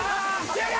終了！